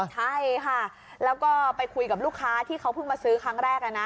ใช่ค่ะแล้วก็ไปคุยกับลูกค้าที่เขาเพิ่งมาซื้อครั้งแรกนะ